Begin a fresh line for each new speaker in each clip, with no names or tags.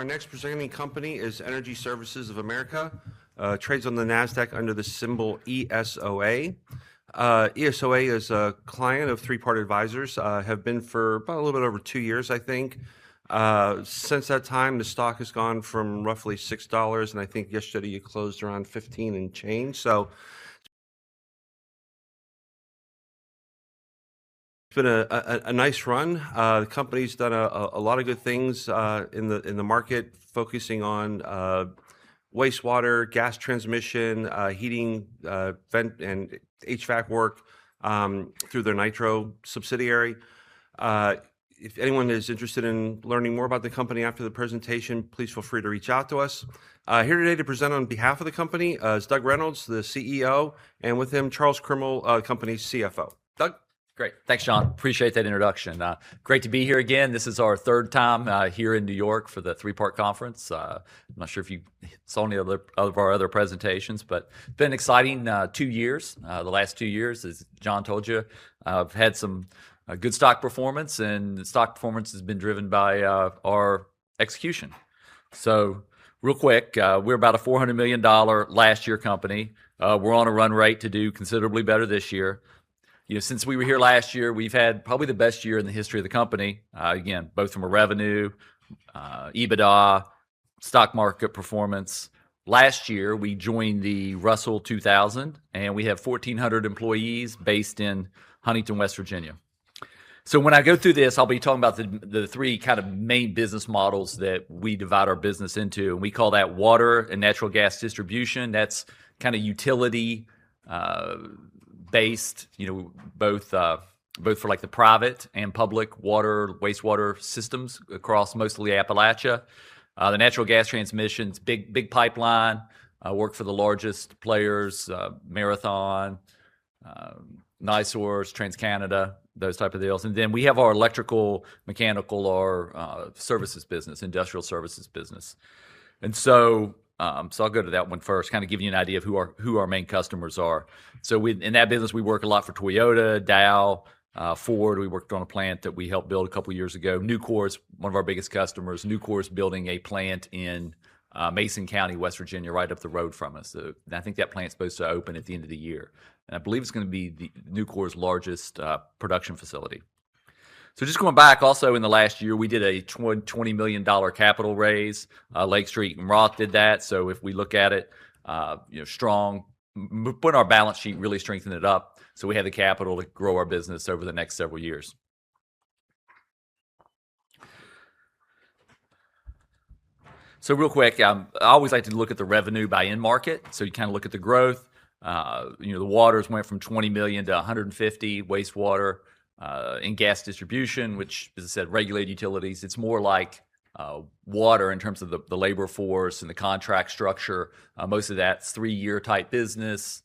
Our next presenting company is Energy Services of America, trades on the NASDAQ under the symbol ESOA. ESOA is a client of Three Part Advisors, have been for about a little bit over two years, I think. Since that time, the stock has gone from roughly $6, and I think yesterday it closed around $15 and change. It's been a nice run. The company's done a lot of good things in the market, focusing on wastewater, gas transmission, heating, vent and HVAC work through their Nitro subsidiary. If anyone is interested in learning more about the company after the presentation, please feel free to reach out to us. Here today to present on behalf of the company is Doug Reynolds, the CEO, and with him, Charles Crimmel, company CFO. Doug?
Great. Thanks, John. Appreciate that introduction. Great to be here again. This is our third time here in New York for the Three Part conference. I'm not sure if you saw any of our other presentations, but been an exciting two years. The last two years, as John told you, have had some good stock performance, and the stock performance has been driven by our execution. Real quick, we're about a $400 million last year company. We're on a run rate to do considerably better this year. Since we were here last year, we've had probably the best year in the history of the company, again, both from a revenue, EBITDA, stock market performance. Last year, we joined the Russell 2000, and we have 1,400 employees based in Huntington, West Virginia. When I go through this, I'll be talking about the three main business models that we divide our business into, and we call that water and natural gas distribution. That's utility-based, both for the private and public water, wastewater systems across mostly Appalachia. The natural gas transmission's big pipeline. Work for the largest players, Marathon, NiSource, TransCanada, those type of deals. We have our electrical, mechanical, our services business, industrial services business. I'll go to that one first, kind of give you an idea of who our main customers are. In that business, we work a lot for Toyota, Dow, Ford. We worked on a plant that we helped build a couple years ago. Nucor's one of our biggest customers. Nucor's building a plant in Mason County, West Virginia, right up the road from us. I think that plant's supposed to open at the end of the year. I believe it's going to be Nucor's largest production facility. Just going back, also in the last year, we did a $20 million capital raise. Lake Street and Roth did that. If we look at it, strong. It put our balance sheet, really strengthened it up, so we had the capital to grow our business over the next several years. Real quick, I always like to look at the revenue by end market. You look at the growth. The waters went from $20 million-$150 million, wastewater and gas distribution, which, as I said, regulated utilities. It's more like water in terms of the labor force and the contract structure. Most of that's three-year type business,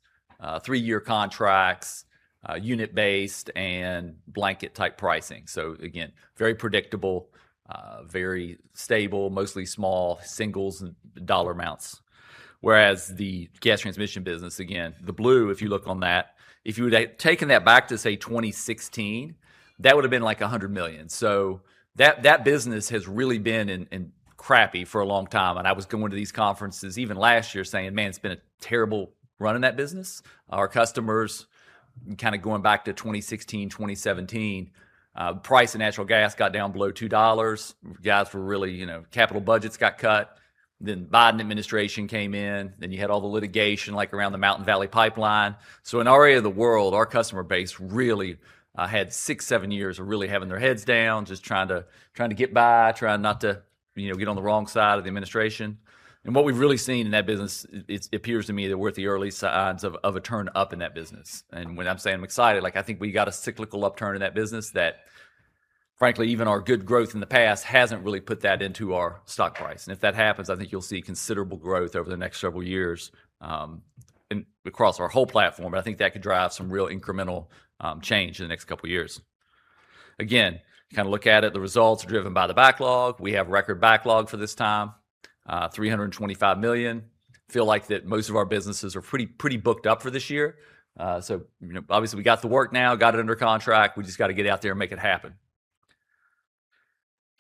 three-year contracts, unit-based, and blanket-type pricing. Again, very predictable, very stable, mostly small singles and dollar amounts. The gas transmission business, again, the blue, if you look on that, if you would taken that back to, say, 2016, that would've been like $100 million. That business has really been crappy for a long time. I was going to these conferences even last year saying, "Man, it's been a terrible run in that business." Our customers, going back to 2016, 2017, price of natural gas got down below $2. Capital budgets got cut. The Biden administration came in, you had all the litigation around the Mountain Valley Pipeline. In our area of the world, our customer base really had six, seven years of really having their heads down, just trying to get by, trying not to get on the wrong side of the administration. What we've really seen in that business, it appears to me that we're at the early signs of a turn up in that business. When I'm saying I'm excited, I think we got a cyclical upturn in that business that, frankly, even our good growth in the past hasn't really put that into our stock price. If that happens, I think you'll see considerable growth over the next several years, and across our whole platform. I think that could drive some real incremental change in the next couple years. Again, look at it, the results are driven by the backlog. We have record backlog for this time, $325 million. Feel like that most of our businesses are pretty booked up for this year. Obviously we got the work now, got it under contract. We just got to get out there and make it happen.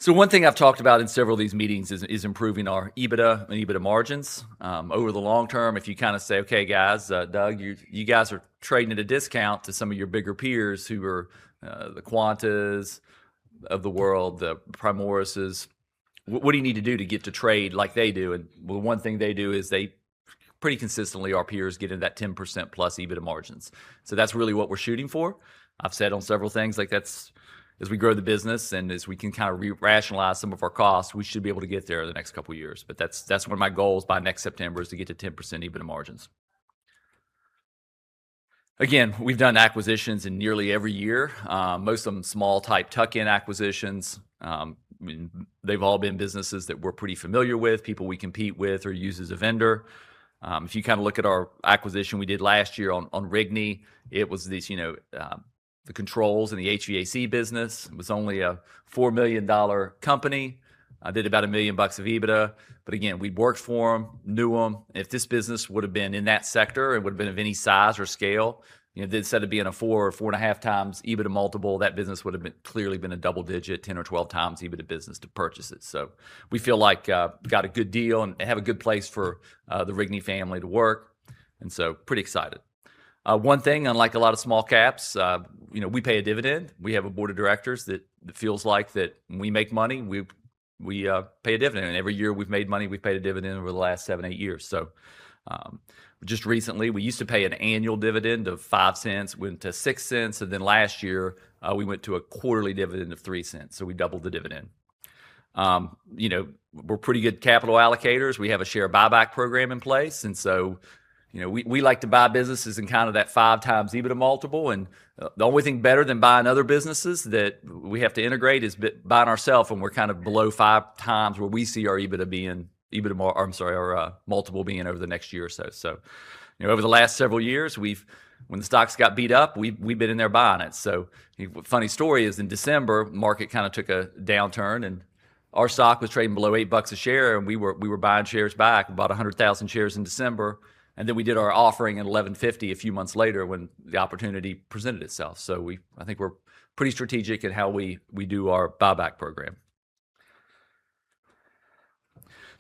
One thing I've talked about in several of these meetings is improving our EBITDA and EBITDA margins. Over the long term, if you say, "Okay, guys, Doug, you guys are trading at a discount to some of your bigger peers who are the Quantas of the world, the Primorises. What do you need to do to get to trade like they do?" Well, one thing they do is they pretty consistently, our peers, get into that 10%+ EBITDA margins. That's really what we're shooting for. I've said on several things, as we grow the business and as we can re-rationalize some of our costs, we should be able to get there the next couple years. That's one of my goals by next September is to get to 10% EBITDA margins. Again, we've done acquisitions in nearly every year. Most of them small type tuck-in acquisitions. They've all been businesses that we're pretty familiar with, people we compete with or use as a vendor. If you look at our acquisition we did last year on Rigney, it was the controls in the HVAC business. It was only a $4 million company. Did about $1 million of EBITDA. Again, we'd worked for them, knew them. If this business would've been in that sector, it would've been of any size or scale, instead of being a 4 or 4.5 times EBITDA multiple, that business would've clearly been a double-digit 10 or 12 times EBITDA business to purchase it. We feel like got a good deal and have a good place for the Rigney family to work, pretty excited. One thing, unlike a lot of small caps, we pay a dividend. We have a board of directors that feels like that when we make money, we pay a dividend. Every year we've made money, we've paid a dividend over the last seven, eight years. Just recently, we used to pay an annual dividend of $0.05, went to $0.06, and last year, we went to a quarterly dividend of $0.03, so we doubled the dividend. We're pretty good capital allocators. We have a share buyback program in place. We like to buy businesses in kind of that 5x EBITDA multiple. The only thing better than buying other businesses that we have to integrate is buying ourself when we're below 5x where we see our multiple being over the next year or so. Over the last several years, when the stocks got beat up, we've been in there buying it. Funny story is in December, market kind of took a downturn, and our stock was trading below $8 a share, and we were buying shares back. We bought 100,000 shares in December. We did our offering at $11.50 a few months later when the opportunity presented itself. I think we're pretty strategic in how we do our buyback program.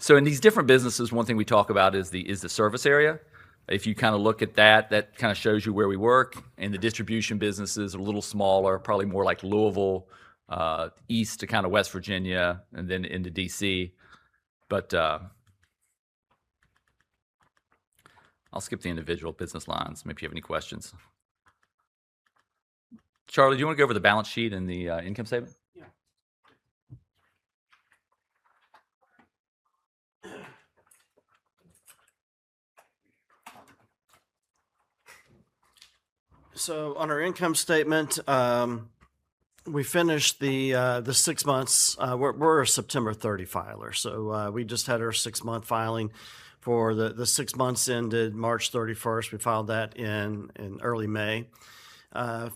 In these different businesses, one thing we talk about is the service area. If you look at that shows you where we work, and the distribution business is a little smaller, probably more like Louisville, east to West Virginia, and into D.C. I'll skip the individual business lines, maybe you have any questions. Charlie, do you want to go over the balance sheet and the income statement?
Yeah. On our income statement, we finished the six months. We're a September 30 filer. We just had our six-month filing for the six months ended March 31st. We filed that in early May.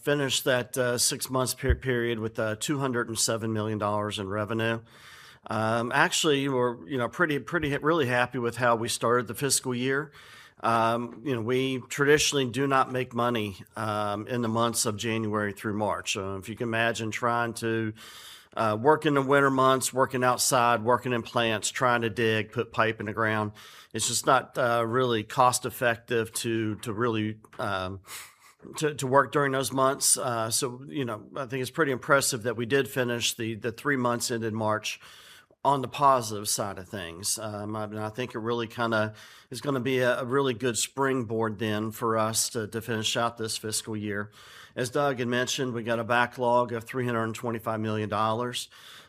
Finished that six-month period with $207 million in revenue. Actually, we're really happy with how we started the fiscal year. We traditionally do not make money in the months of January through March. If you can imagine trying to work in the winter months, working outside, working in plants, trying to dig, put pipe in the ground, it's just not really cost-effective to work during those months. I think it's pretty impressive that we did finish the three months ended March on the positive side of things. I think it really is going to be a really good springboard for us to finish out this fiscal year. As Doug had mentioned, we got a backlog of $325 million.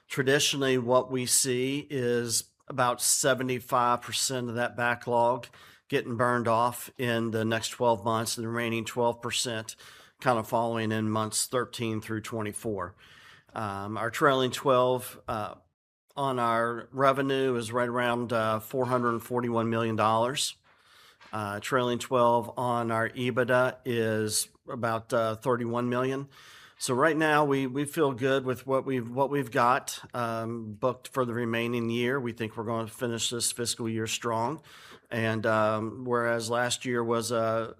Traditionally, what we see is about 75% of that backlog getting burned off in the next 12 months, and the remaining 12% kind of following in months 13 through 24. Our trailing 12 on our revenue is right around $441 million. Trailing 12 on our EBITDA is about $31 million. Right now, we feel good with what we've got booked for the remaining year. We think we're going to finish this fiscal year strong. Whereas last year was a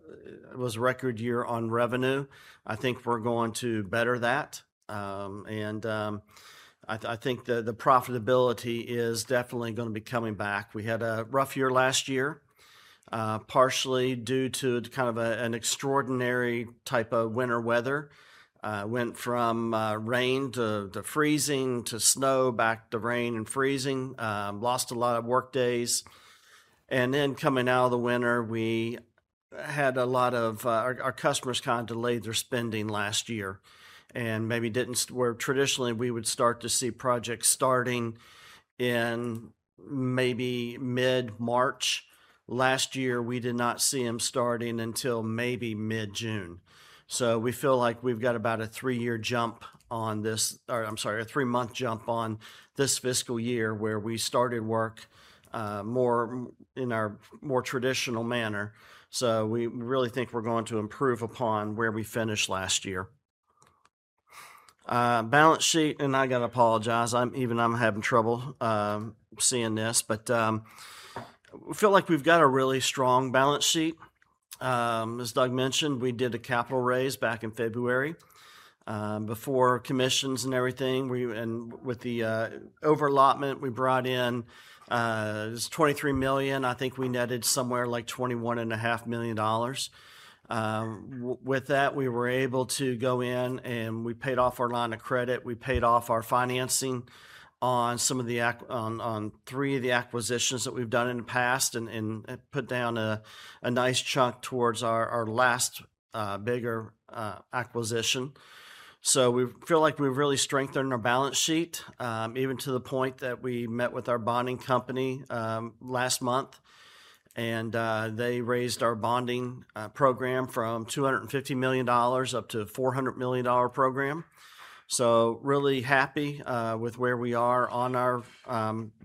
record year on revenue, I think we're going to better that, and I think the profitability is definitely going to be coming back. We had a rough year last year, partially due to kind of an extraordinary type of winter weather. Went from rain to freezing to snow, back to rain and freezing. Lost a lot of workdays. Coming out of the winter, our customers delayed their spending last year. Where traditionally we would start to see projects starting in maybe mid-March, last year, we did not see them starting until maybe mid-June. We feel like we've got about a three-month jump on this fiscal year, where we started work in our more traditional manner. We really think we're going to improve upon where we finished last year. Balance sheet. I got to apologize, even I'm having trouble seeing this, but we feel like we've got a really strong balance sheet. As Doug mentioned, we did a capital raise back in February. Before commissions and everything, and with the over allotment, we brought in $23 million. I think we netted somewhere like $21.5 million. With that, we were able to go in and we paid off our line of credit. We paid off our financing on three of the acquisitions that we've done in the past and put down a nice chunk towards our last bigger acquisition. We feel like we've really strengthened our balance sheet, even to the point that we met with our bonding company last month, and they raised our bonding program from $250 million up to $400 million program. We are really happy with where we are on our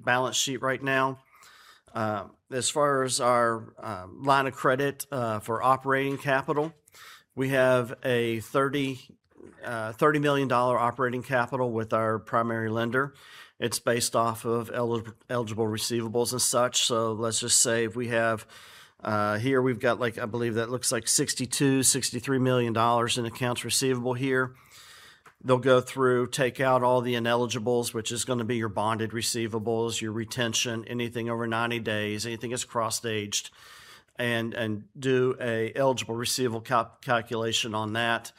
balance sheet right now. As far as our line of credit for operating capital, we have a $30 million operating capital with our primary lender. It's based off of eligible receivables and such. Let's just say here we've got, I believe that looks like $62 million, $63 million in accounts receivable here. They'll go through, take out all the ineligibles, which is going to be your bonded receivables, your retention, anything over 90 days, anything that's crossed aged, and do an eligible receivable calculation on that.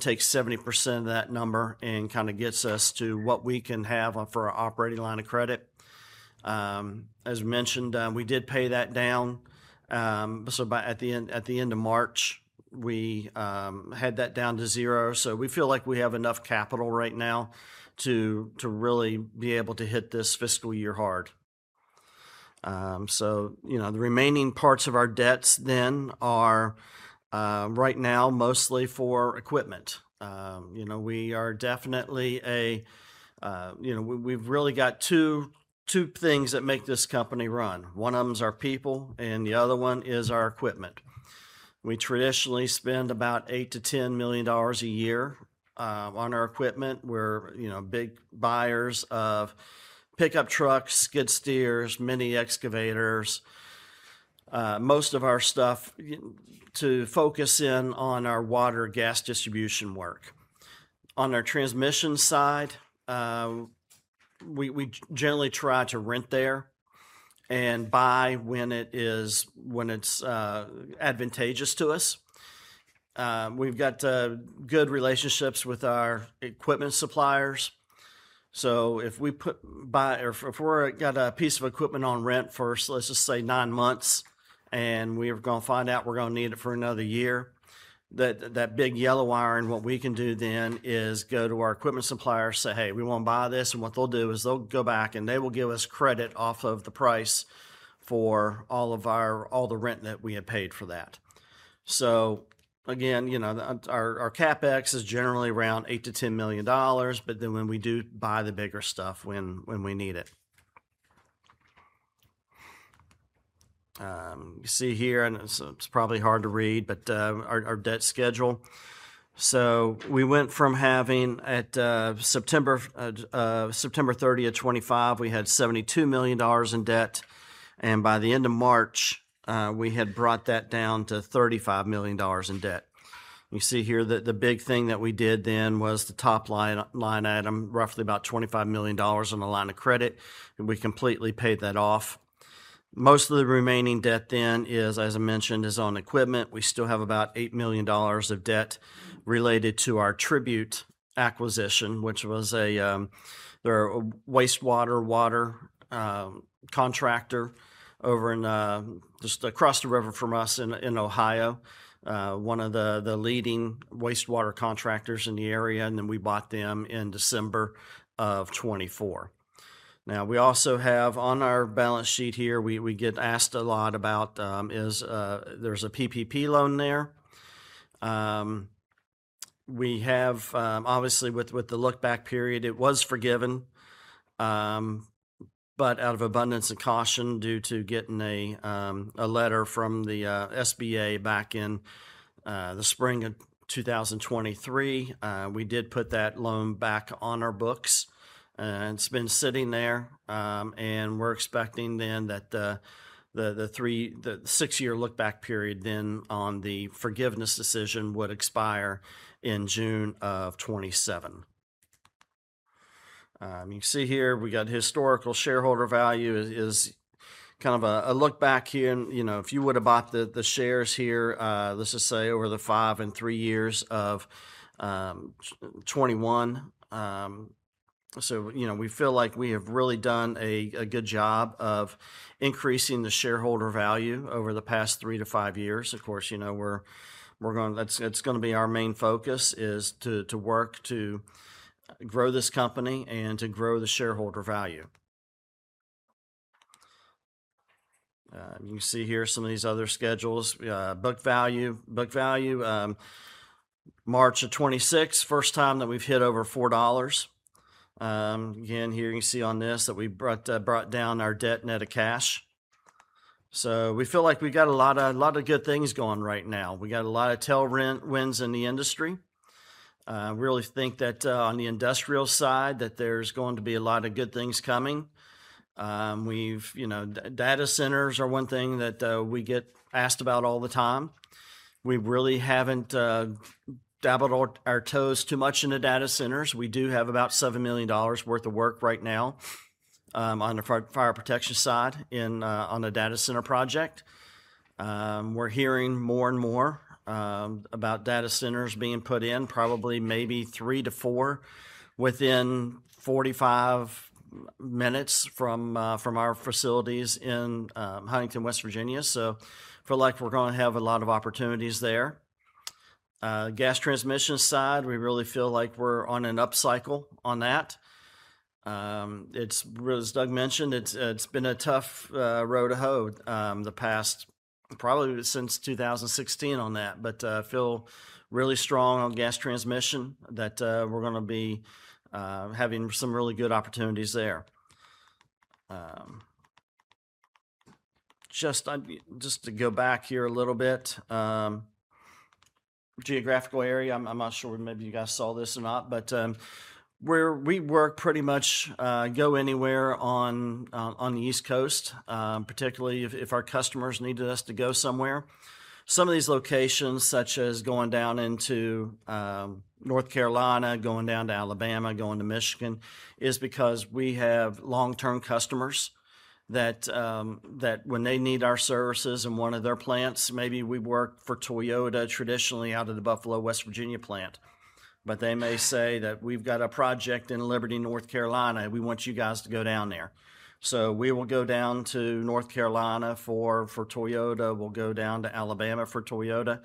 Take 70% of that number and gets us to what we can have for our operating line of credit. As mentioned, we did pay that down. At the end of March, we had that down to zero. We feel like we have enough capital right now to really be able to hit this fiscal year hard. The remaining parts of our debts then are right now mostly for equipment. We've really got two things that make this company run. One of them is our people, and the other one is our equipment. We traditionally spend about $8 million-$10 million a year on our equipment. We're big buyers of pickup trucks, skid steers, mini excavators, most of our stuff to focus in on our water gas distribution work. On our transmission side, we generally try to rent there and buy when it's advantageous to us. We've got good relationships with our equipment suppliers. If we got a piece of equipment on rent for, let's just say, nine months, and we are going to find out we're going to need it for another year, that big yellow iron, what we can do then is go to our equipment supplier, say, "Hey, we want to buy this." What they'll do is they'll go back, and they will give us credit off of the price for all the rent that we had paid for that. Again, our CapEx is generally around $8 million-$10 million, but then when we do buy the bigger stuff when we need it. You see here, and it's probably hard to read, but our debt schedule. We went from having at September 30, 2025, we had $72 million in debt, and by the end of March, we had brought that down to $35 million in debt. You see here the big thing that we did then was the top line item, roughly about $25 million on the line of credit, and we completely paid that off. Most of the remaining debt then is, as I mentioned, is on equipment. We still have about $8 million of debt related to our Tribute acquisition, which was a wastewater water contractor over just across the river from us in Ohio. One of the leading wastewater contractors in the area, and then we bought them in December 2024. We also have on our balance sheet here, we get asked a lot about, there's a PPP loan there. Obviously, with the lookback period, it was forgiven, but out of abundance and caution due to getting a letter from the SBA back in the spring of 2023, we did put that loan back on our books, and it's been sitting there. We're expecting then that the six-year lookback period then on the forgiveness decision would expire in June 2027. You see here we got historical shareholder value is kind of a look back here and, if you would've bought the shares here, let's just say over the five and three years of 2021. We feel like we have really done a good job of increasing the shareholder value over the past three to five years. Of course, it's going to be our main focus is to work to grow this company and to grow the shareholder value. You can see here some of these other schedules. Book value March 2026, first time that we've hit over $4. Again, here you can see on this that we brought down our debt net of cash. We feel like we got a lot of good things going right now. We got a lot of tailwinds in the industry. Really think that on the industrial side, that there's going to be a lot of good things coming. Data centers are one thing that we get asked about all the time. We really haven't dabbled our toes too much into data centers. We do have about $7 million worth of work right now on the fire protection side on a data center project. We're hearing more and more about data centers being put in, probably maybe three to four within 45 minutes from our facilities in Huntington, West Virginia. Feel like we're going to have a lot of opportunities there. Gas transmission side, we really feel like we're on an upcycle on that. As Doug mentioned, it's been a tough road to hoe, probably since 2016 on that. I feel really strong on gas transmission that we're going to be having some really good opportunities there. Just to go back here a little bit. Geographical area, I'm not sure maybe you guys saw this or not, but where we work pretty much go anywhere on the East Coast, particularly if our customers needed us to go somewhere. Some of these locations, such as going down into North Carolina, going down to Alabama, going to Michigan, is because we have long-term customers that when they need our services in one of their plants, maybe we work for Toyota traditionally out of the Buffalo, West Virginia plant, but they may say that, "We've got a project in Liberty, North Carolina, and we want you guys to go down there." We will go down to North Carolina for Toyota, we'll go down to Alabama for Toyota.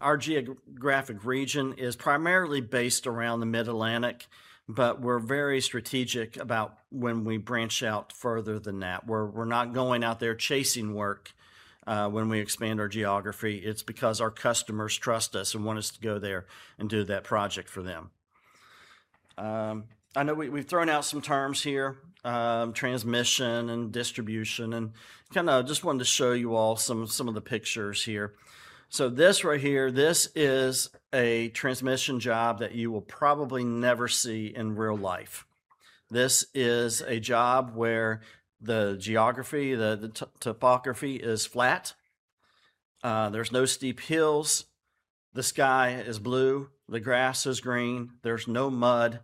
Our geographic region is primarily based around the Mid-Atlantic, but we're very strategic about when we branch out further than that. We're not going out there chasing work when we expand our geography. It's because our customers trust us and want us to go there and do that project for them. I know we've thrown out some terms here, transmission and distribution, and kind of just wanted to show you all some of the pictures here. This right here, this is a transmission job that you will probably never see in real life. This is a job where the geography, the topography is flat. There's no steep hills. The sky is blue, the grass is green, there's no mud.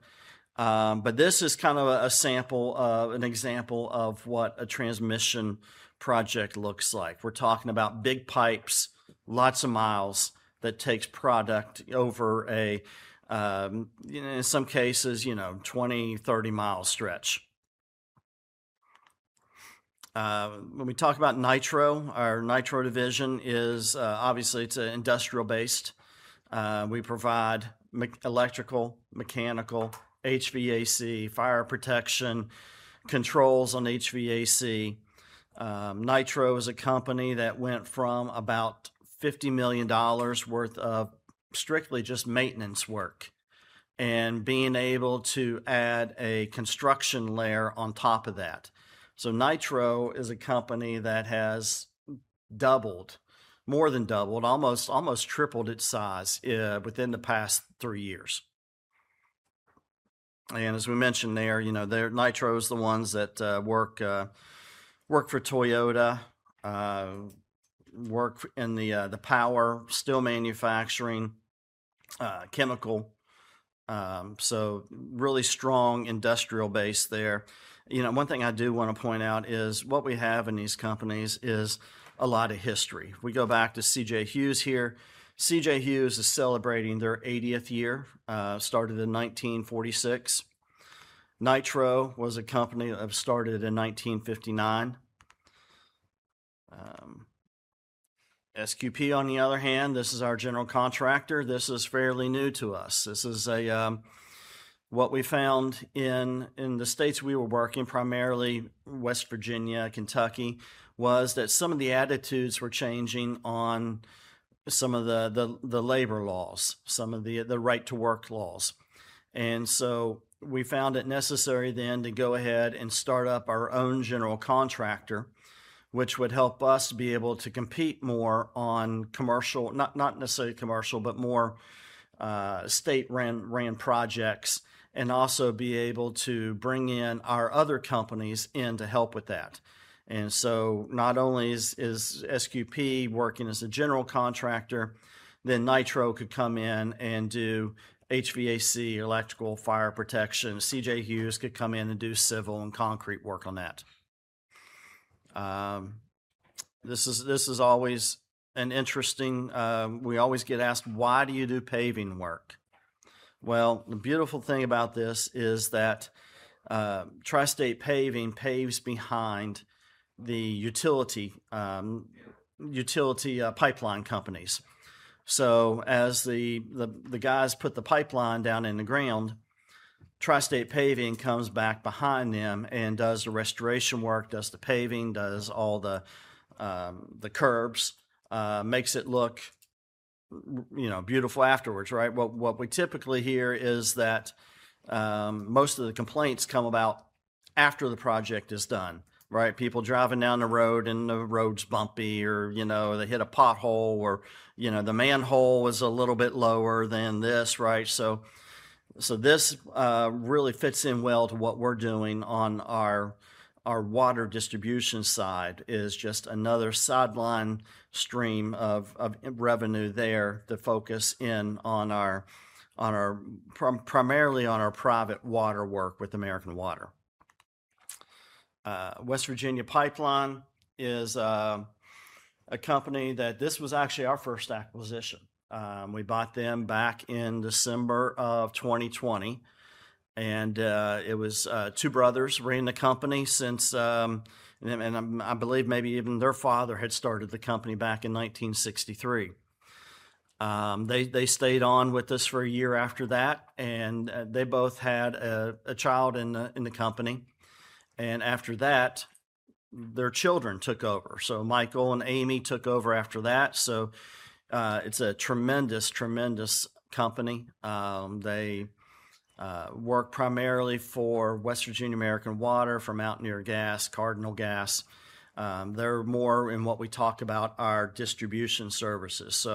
This is kind of an example of what a transmission project looks like. We're talking about big pipes, lots of miles that takes product over a, in some cases, 20, 30-mile stretch. When we talk about Nitro, our Nitro division is obviously industrial based. We provide electrical, mechanical, HVAC, fire protection, controls on HVAC. Nitro is a company that went from about $50 million worth of strictly just maintenance work and being able to add a construction layer on top of that. Nitro is a company that has more than doubled, almost tripled its size within the past three years. As we mentioned there, Nitro is the ones that work for Toyota, work in the power, steel manufacturing, chemical. Really strong industrial base there. One thing I do want to point out is what we have in these companies is a lot of history. We go back to C.J. Hughes here. C.J. Hughes is celebrating their 80th year, started in 1946. Nitro was a company that started in 1959. SQP, on the other hand, this is our general contractor. This is fairly new to us. What we found in the states we were working, primarily West Virginia, Kentucky, was that some of the attitudes were changing on some of the labor laws, some of the right to work laws. We found it necessary then to go ahead and start up our own general contractor, which would help us be able to compete more on commercial, not necessarily commercial, but more state-ran projects, and also be able to bring in our other companies in to help with that. Not only is SQP working as a general contractor, then Nitro could come in and do HVAC, electrical, fire protection. C.J. Hughes could come in and do civil and concrete work on that. We always get asked, "Why do you do paving work?" The beautiful thing about this is that Tri-State Paving paves behind the utility pipeline companies. As the guys put the pipeline down in the ground, Tri-State Paving comes back behind them and does the restoration work, does the paving, does all the curbs, makes it look beautiful afterwards. What we typically hear is that most of the complaints come about after the project is done. People driving down the road and the road's bumpy, or they hit a pothole, or the manhole was a little bit lower than this. This really fits in well to what we're doing on our water distribution side, is just another sideline stream of revenue there to focus primarily on our private water work with American Water. West Virginia Pipeline is a company that this was actually our first acquisition. We bought them back in December of 2020. It was two brothers ran the company. I believe maybe even their father had started the company back in 1963. They stayed on with us for a year after that. They both had a child in the company. After that, their children took over. Michael and Amy took over after that. It's a tremendous company. They work primarily for West Virginia American Water, for Mountaineer Gas, Cardinal Gas. They're more in what we talk about are distribution services.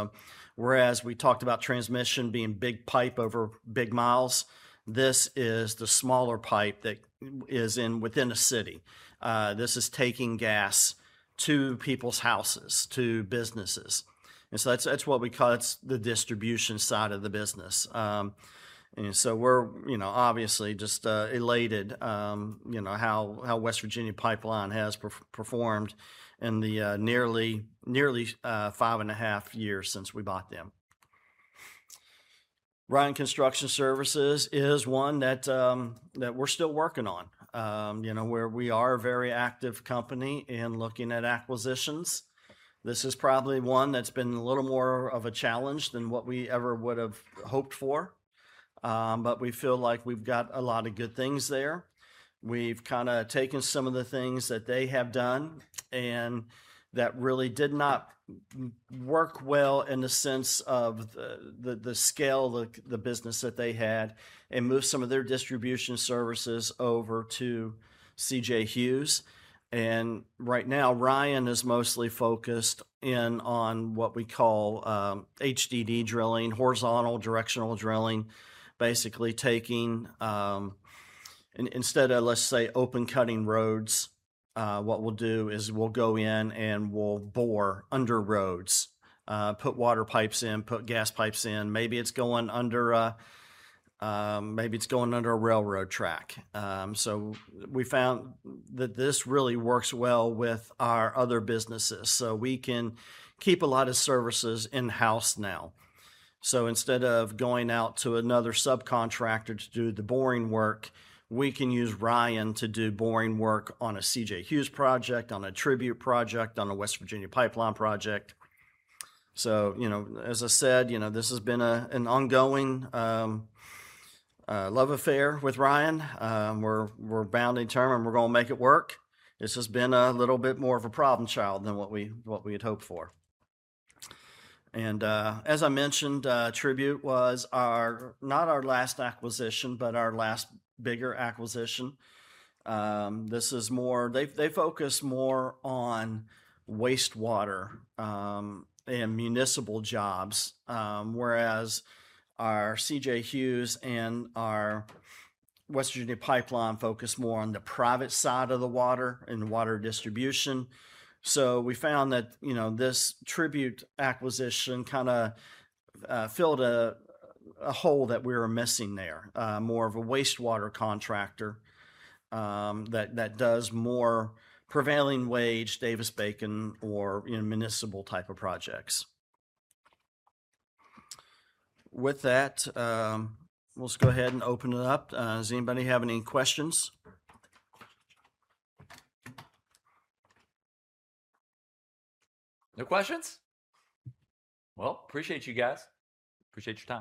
Whereas we talked about transmission being big pipe over big miles, this is the smaller pipe that is within a city. This is taking gas to people's houses, to businesses. That's what we call the distribution side of the business. We're obviously just elated how West Virginia Pipeline has performed in the nearly five and a half years since we bought them. Ryan Construction Services is one that we're still working on, where we are a very active company in looking at acquisitions. This is probably one that's been a little more of a challenge than what we ever would've hoped for. We feel like we've got a lot of good things there. We've taken some of the things that they have done and that really did not work well in the sense of the scale of the business that they had. Moved some of their distribution services over to C.J. Hughes. Right now, Ryan is mostly focused in on what we call HDD drilling, horizontal directional drilling. Basically taking, instead of let's say open cutting roads, what we'll do is we'll go in and we'll bore under roads, put water pipes in, put gas pipes in. Maybe it's going under a railroad track. We found that this really works well with our other businesses, so we can keep a lot of services in-house now. Instead of going out to another subcontractor to do the boring work, we can use Ryan to do boring work on a C.J. Hughes project, on a Tribute project, on a West Virginia Pipeline project. As I said, this has been an ongoing love affair with Ryan. We're bound and determined we're going to make it work. This has been a little bit more of a problem child than what we had hoped for. As I mentioned, Tribute was not our last acquisition, but our last bigger acquisition. They focus more on wastewater and municipal jobs, whereas our C.J. Hughes and our West Virginia Pipeline focus more on the private side of the water and water distribution. We found that this Tribute acquisition filled a hole that we were missing there, more of a wastewater contractor that does more prevailing wage, Davis-Bacon, or municipal type of projects. With that, let's go ahead and open it up. Does anybody have any questions?
No questions? Well, appreciate you guys. Appreciate your time.